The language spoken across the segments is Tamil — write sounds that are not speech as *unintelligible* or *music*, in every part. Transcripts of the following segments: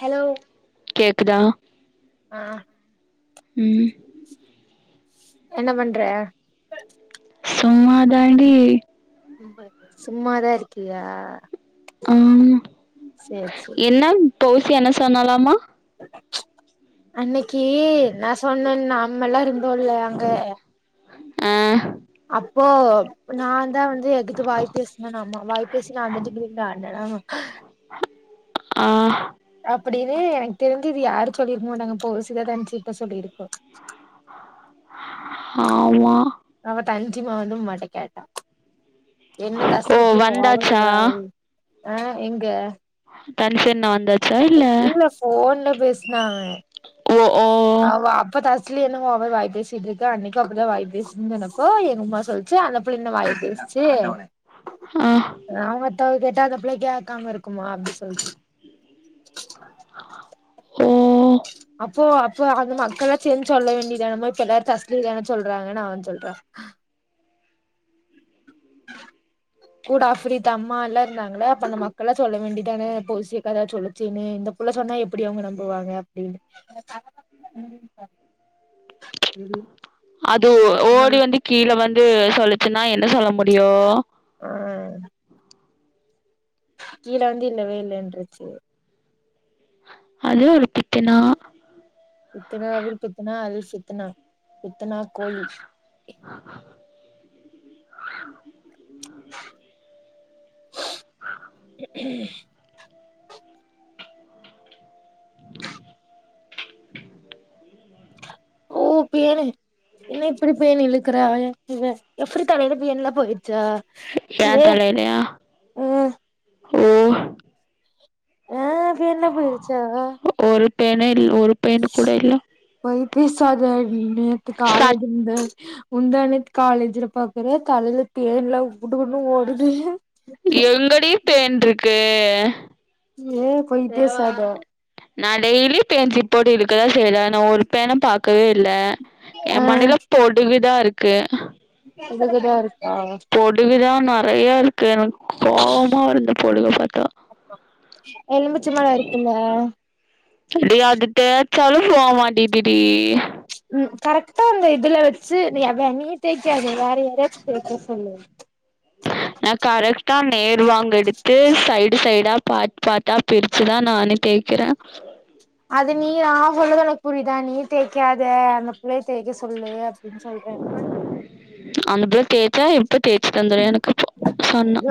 ஹலோ கேக்குதா ஆ உம் என்ன பண்ற சும்மா தாண்டி சும்மாதா இருக்கியா ம் சேர் சேர் என்ன பெசியா என்ன சொன்னாலாமா அன்னிக்கு நா சொன்னேன் நார்மலா இருந்தோம்ல அங்க ஆ அப்போ நா தா வந்து எதுக்கு வாய் பேசனா ஆமா வாய் பேசிட்டு அங்குட்டு ஆடுன அங்கு இருந்துன ஆமா ஆஹ் அப்டின்னு எனக்கு தெரிஞ்சு இது யாரும் சொல்லிருக்க மாட்டாங்க போ சில டைம் சிதா சொல்லியிருக்கு ஆமா அவ *unintelligible* வந்துும்மாட்ட எயன்ட்ட கேட்டா என்ன ஓ தஸிக்கு ஓவரு வந்தாச்சா வாய் ஆ எங்க தனுஷ் அண்ணா வந்தது இல்ல போன்ல பேசினாங்க ஓ ஓ அவ அப்ப த தஸ்லி என்ன ஓவரா வாய் பேசிட்டு இருக்கு அன்னிக்கு அப்டிதா வாய் பேசுதுன்னு சொன்னப்போ எங்கம்மா சொல்லுச்சு அந்த பிள்ளையு தா வாய் பேசு ச்சு ஆ அதா மத்தவங்க கேட்டா அந்த பிள்ளயா கேட்காம இருக்குமா அப்டின்னு சொல்லுச்சு ஓ அப்போ அப்போ அந்த மக்கள்ாம் சேர்ந்துு சொல்ல வேண்டியதானமோ இப்ப எல்லாரும் தஸ்லியதான சொல்றாங்கன்னு அவ சொல்லுறா கூட அஃப்ரித் அம்மா எல்லா இருந்தாங்கள அப்ப அந்த மக்கள்ல்லா சொல்ல வேண்டியதான பொசி அக்கா தான சொல்லுச்சுன்னு இந்த இப்டி எல்லா சொன்னா எப்டி அவங்க நம்புவாங்க அப்டின்னு ம் அது ஓடி வந்து கீழ வந்து சொல்லுச்சுன்னா என்ன சொல்ல முடியு அ கீழ வந்து இல்லவே இல்லலன்றச்சு அது ஒரு பித்தனா பித்தன்னால்வில் பித்தனா அதில்சித்தன்னா பித்தனா கோலி ஆஹ *unintelligible* *unintelligible* ஓ பேணு என்ன இப்டி பேணு இழுக்குறா இவ ஆப்ரிதா நெனப்பு எங்க போயிடுச்சா எய ஏ தலைலயா ஆ ஓ ஆ பேணு எல்லா போயிடுச்சா ஒரு பேணு இல் ஒரு பேணு கூட இல்ல போய் பேசாத நேத்து காலைல சத் இருந்து முந்தா நேத்து காலேஜல பாக்குற தலையல பேணு எல்லா குடு குடுக்கன்னும் ஓடுது எங்கடி பேன் இருக்கு நீ போய் பேசாத நா டெய்லி பேன் சிப்பு போட்டு இழுக்குற சேரி நா ஒரு பேணு பாக்கவே இல்ல ஆ எய மண்டல பொடுகு தா இருக்கு பொடுகு தா இருக்கா பொடுகுதா நெறைய இருக்கு எனக்கு கோபமா வருது இந்த பொடுக பாத்தா எலுமிச்சபழ இருக்குல அது தேய்ச்சாலு போவ மாட்டிதுடி ம் கரெக்டா அந்த இதுல வெச்சு நீ அதா நீ தேக்காத வேற யாராச்சு தேக்க சொல்லு *unintelligible* நா கரெக்ட்டா நேர் வாங்க எடுத்து சைடு சைடா பார்ட்டு பார்ட்டா பிரிச்சுதா நானே தே க்கிற அது நீ நா சொல்லது உனக்கு புரியுதா நீ தேக்காத அந்த பிள்ளைய தேக்க சொல்லு அப்டின்னு சொல்ற அந்த புள்ள தேச்சா இப்ப தேச்சு தந்துரு எனக்கு இப்போ சொன்னா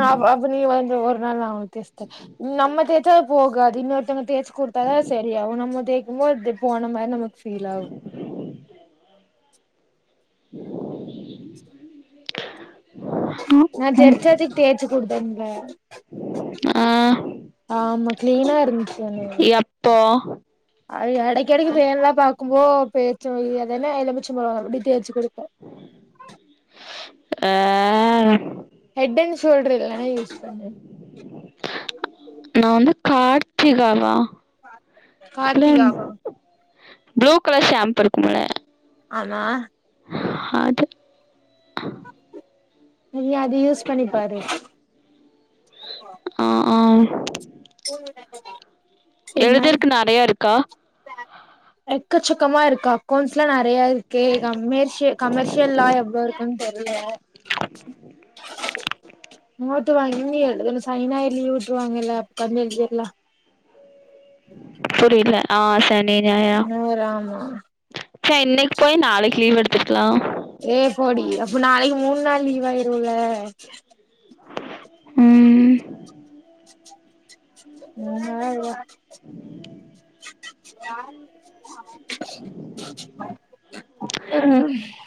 இப்ப நீ வந்து ஒரு நாள் ஆகு *unintelligible* நம்ம தே போகாது இன்னொருத்தங்க தேச்சு குடுத்தாதா சரியாகு நம்ம தேக்கும்போது போன மாரி நமக்கு ஃபீல் ஆகு *unintelligible* நா ஜெரச்சாத்தக்கு தேச்சு குடுத்தே இப்ப ஆ ஆமா கிளீனா இருந்துச்சு *inaudible* போ ஆ எடைக்கெடைக்கு பேன்லா பாக்கும்போ பேச்சு அதென்ன எலுமிச்ச பழோ அப்டி தேச்சு குளிப்பே ஆ ஹெட் அண்ட் ஷேல்டர் இல்லான யூஸ் பண்ணு நா வந்து கார்த்திகாவா *unintelligible* கார்த்திகாவா ப்ளூ கலர் ஷேப்பு இருக்குமல்ல ஆமா அது நீ அது யூஸ் பண்ணிப்பாரு ஆ ஆ என்ன எழுதுறக்கு நெறையா இருக்கா ச *inaudible* எக்கச்சக்கமா இருக்கு அக்கௌண்ட்ஸ்ல்லா நெறைய இருக்கு கமர்ஷிய கமர்ஷியல்லா எவ்ளோ இருக்கு தெரிய இல்ல நோட்டு வாங்க நீ எழுதன்னு சனி ஞாயர் லீவ் விட்டுரு வாங்கல்ல அப்ப உக்காந்து எழுதிரலா புரியல ஆசனி ஞாய நூறு ஆமா இன்னிக்கி போய் நாளிக்கி லீவ் எடுத்துருக்கலா ஏ போடி அப்ப நாளிக்கி மூண் நாள் லீவ் ஆயிருல ம் *inaudible* *inaudible* *inaudible*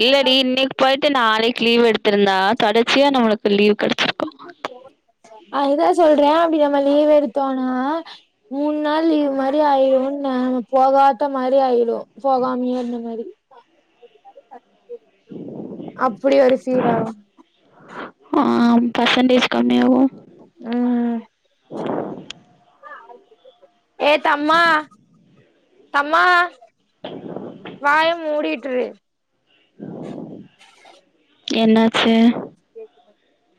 இல்லடி இன்னிக்கி போயிட்டு நாளிக்கி லீவ் எடுத்திருந்தா தொடர்ச்சியா நம்மளுக்கு லீவ் கெடச்சிரு அதுதா சொல்றே அப்டி நம்ம லீவ் எடுத்தோம்னா மூண் நாள் இது மாரி ஆயிடுன்ன போகாத மாரி ஆயிடு போகாமையே இருந்த மாரி அப்டி ஒரு சீர் ஆகு ஆ பர்சன்டேஜ் கம்மியாகு ம் ஏ தம்மா ம்மா வாயம் மூடிட்டுரு என்னாச்சு *inaudible*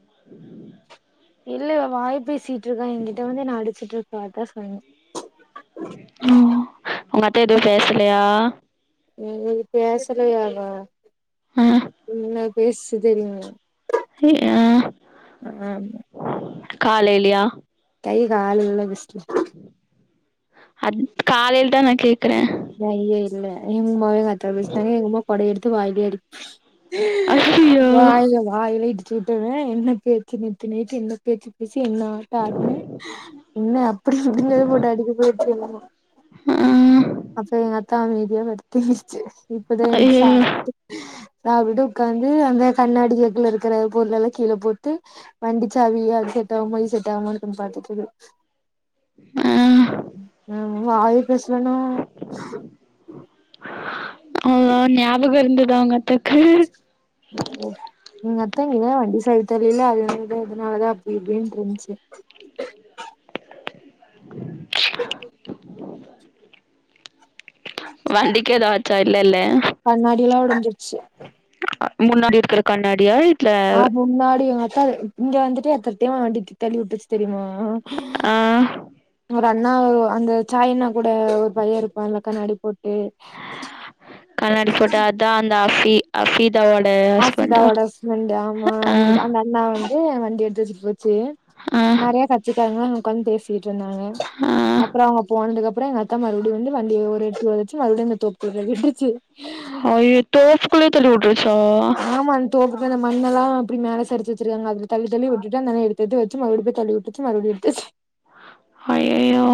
*inaudible* இல்ல வாய் பேசிட்டு எங்க்கிட்ட வந்து என்ன அடிச்சிட்டு இருக்கா தா சொன்னே ஓ உங்க அத்தை எதுவு பேசலையா ம் ம் பேசலையாவா அ என்ன பேசச்சுது தெரியுமா இ ஆ ஆமா காலைலயா தைக ஆள் இல்ல பெஸ்ட் அது காலையில தா நா கேக்குறே வாயையே இல்ல எங்கமாவே கத்தச்சாங்க எங்கமா கொடைைய எடுத்து வாயிலே அடி ஐயயோ வாயில வாயில இட்டுச்சு விட்டுவே என்ன பேச்சு நேத்தி நைட்டு என்ன பேச்சு சி என்ன ஆட்டோ அட்ன்ன என்ன அப்டி இப்டி எதோ போட்டு அடிக்குது எங்க அம்மா ஆ அப்ப எங்க அத்த அமைதியா படுத்திருச்சு இப்பதா என்சிட்டு அய்யய்யோ சாப்ட்டுடு சாப்டுடு உட்காந்து அந்த கண்ணாடி ஜக்குள இருக்கிற பொருள் எல்லா கீழ போட்டு வண்டிச்சாவி அது செட் ஆகுமா இது செட் ஆகுமான்னு பாத்துட்டு இருக்கு ஆ ஆ வாயு பேசலணா ஆ ஞாபகம் இருந்துதா உங்க அத்தைக்கு போ எங்க அத்த இருங்காள வண்டி தெரில அதுனத அதனாலதா அப்டி இப்டின்னு இருந்துச்சு வண்டிக்கு ஏதா ஆச்சா இல்ல இல்ல கண்ணாடிய எல்லா உடைஞ்சிருச்சு முன்னாடி இருக்கிற கண்ணாடியா இல்ல ஆ முன்னாடி எங்கத்தா இங்க வந்துட்டு எத்தத்தமா வண்டி த தளி விட்டுச்சு தெரியுமா ஆ ஆ ஒரு அண்ணா ஆ அந்த சாய்னா கூட ஒரு பைய இருப்பால்ல கண்ணாடி போட்டு கண்ணாடி போட்ட அதா அந்த அபீ அபீஸ் த்தாவோட ஆசீதாவோட ஃப்ரெண்டு ஆமா அந்த அக் அண்ணா வந்து வண்டி எடுத்து போச்சு ஆ நெறைய கச்சிக்காரங்களா உங்காந்து பேசி ட்டு இருந்தாங்க ஆ அப்றோ அவுங்க போனதுக்கு அப்புறோ எங்க அத்த மறுபுடியு வந்து வண்டிய ஒரு எட்டி ஓதச்சு மறுபடியு அந்த தோப்புடுற விட்டுச்சு அய்யோ தோப்புக்குல தள்ளி உட்ருசா ஆமா அந்த தோப்புக்கு அந்த மண்ணொல்லா அப்டி மேலே சரிச்சிருக்காங்க அதல தள்ளி தள்ளி விட்டுட்டு அந்த அண்ணா எடுத்து வச்சு மறுபடிய போ தள்ளி விட்டுச்சு மறுபடியு எடுத்துச்சு அய்யயோ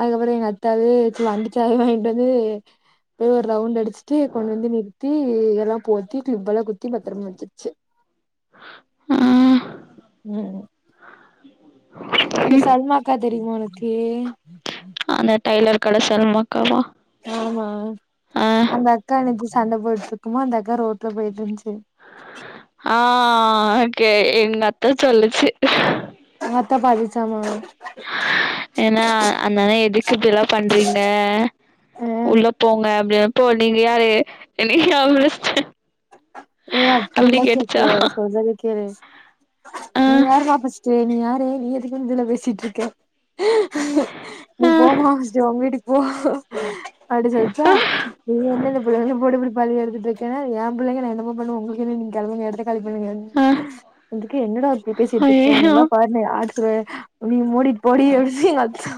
அதுக்கப்றோ எங்க அத்த அதுவே வண்டிச்சாவி வாங்கிட்டு வந்து அப்டியே ஒரு ரவுண்ட் அடி சிட்டு கொண்டு வந்து நிறுத்தி இதெல்லா போத்திட்டு இவ்ளவு குத்தி பத்திரம் வச்சிருச்சு ஆ ம் என்ன சல்மாக்கா தெரியுமா உனக்கு அந்த டைலர் கட சல்லமாக்காவா ஆமா ஆ அந்த அக்கா நேத்தி சண்டை போட்டுருக்குமா அந்தக்கா ரோட்ல போயிட்டுருந்துச்சு ஆ கே எங்க அத்தா சொல்லுச்சு உங்க அத்தா பாத்தி சமா ஏன்னா அந்தண்ண எதுக்கு இப்டி எல்லா பண்றீங்க ஆ உள்ள போங்க அப்டி போ நீங்க யாரு என்னயு அவுங்க லிஸ்ட்டு ஏ அப்பிடி எல்லா கேக்க கூடாது சொல்றத கேளு ஆ நீ யார்றா ஃபஸ்ட் டு நீ யாரு நீ எதுக்கு வந்து இதுல பேசிட்ருக்க நீ ஆ போம்மா ஃபஸ்ட்டு உன் வீட்டுக்கு போ அப்டி சொல்ச்சா இது என்ன இந்த புள்ள என்ன போட்டு இப்டி பழி எடுத்துட்ருக்குன்னு ஏன் புள்ளைங்க நா என்னமோ பண்ணுவ உங்களுக்கு என்னங்க நீங்க கெளம்புங்க எடத்த காலி பண்ணுங்கன்னு ஆ அதுக்கு என்னடா இப்டி பேசிட்ருக்கோ நீ ஐயையோ எல்லா பாரு என்ன யாத்ரு நீ மூடிட் போடி அப்டி சொல்லி எங்க *unintelligible*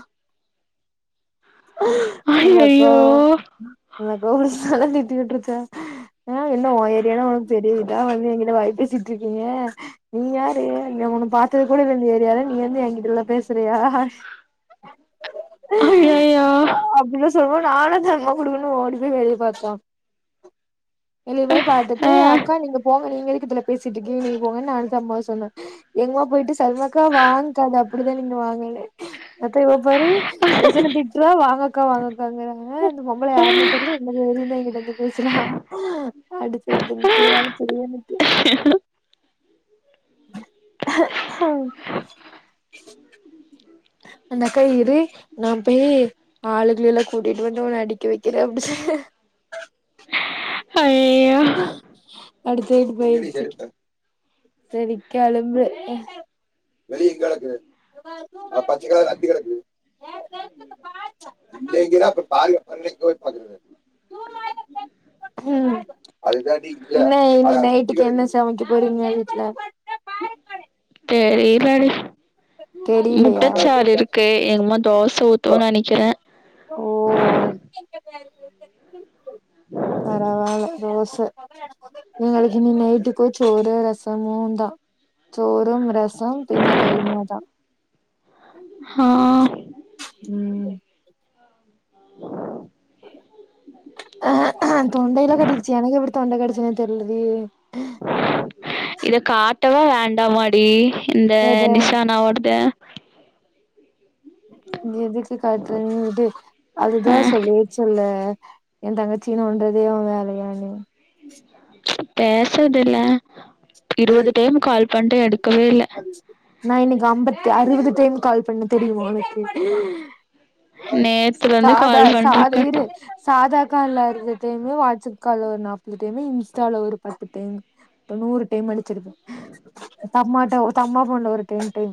எங்க அக்கா ஐயையோ அந்த *unintelligible* திட்டி வுட்ருச்சா ஆ என்ன உன் ஏரியானா உனக்கு பெரிய இதா வந்து எங்கிட்ட வாய் பேசிட்ருக்கீங்க நீ யாரு இங்க உன்ன பாத்தது கூட இல்ல இந்த ஏரியால நீ வந்து எங்கிட்டல்லா பேச றியா ஐயையோ சொல்லவு நானு தம்மாவு குடுகுடுனு ஓடிப் போயி வெளிய பாத்தோ வெளிய போய் பாத்துட்டு ஆ அக்கா நீங்க போங்க நீங்க எதுக்கு இதுல பேசிட்ருக்கீங்க நீங்க போங்கன்னு நானு சல்மாவு சொன்னோ எங்கமா போயிட்டு சல்மாக்கா வாங்க்கா அது அப்பிடிதா நீங்க வாங்கன்னு அக்கா இவ பாரு புருஷன திட்றா வாங்கக்கா வாங்கக்காங்கறாங்க இந்த பொம்பள யார்னே தெர்ல *unintelligible* பேசறா அடுத்தது *unintelligible* அந்த அக்கா இரு நா போயி ஆளுகளயெல்லா கூட்டிட்டு வந்து உன்ன அடிக்க வைக்கிறே அப்டி ஹையயோ அப்டி சொல்லிட்டு போய்ருச்சி செரி கெளம்பு அ இல்லைங்கிறா அப்ப பாருங்க பாருங்க இங்க போய் பாக்குறது ம் என்ன இன்னக்கி நைட்டுக்கு என்ன சமைக்க போறீங்க வீட்ல தெரியலிடி தெரிலையா முட்டச்சாறு இருக்கு எங்கம்மா தோச ஊத்துன்னு நெனைக்கிறே ஓ பரவால்ல தோச எங்களுக்கு இன்னைக்கி நைட்டுக்கு சோறு ரசமுந்தா சோறு ரசோ பின்ன கைமாதா ஆ ம் தொண்டையெல்லா கட்டிருச்சி எனக்கு எப்டி தொண்ட கட்டுச்சின்னே தெர்லடி இத காட்டவா வேண்டாமாடி இந்த எத நிசானாவோடத ம் எதுக்கு காட்ற விடு அதுதா ஆ சொல்லிருச்சல்ல யேன் தங்கச்சிய நோண்டறதே உன் வேலையான்னு பேசறது இல்ல இருபது டைமு கால் பண்ட்டே எடுக்கவே இல்ல நா இன்னைக்கி அம்பத்து அறுபது டைம் கால் பண்ணே தெரியுமா உனக்கு நேத்துலருந்து சாதா கால் சாத இரு பண்ட்ருக்கே சாதா கால்ல அறுவது டைமு வாட்ஸ்அப் கால்ல ஒரு நாப்பது டைமு இன்ஸ்டால ஒரு பத்து டைமு இப்ப நூறு டைம் அடிச்சிருப்பே தம்மாட்ட அ தம்மா ஃபோன்ல ஒரு டைம் ட்ரை